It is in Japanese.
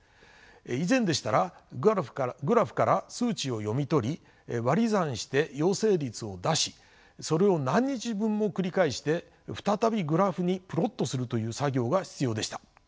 以前でしたらグラフから数値を読み取り割り算して陽性率を出しそれを何日分も繰り返して再びグラフにプロットするという作業が必要でした。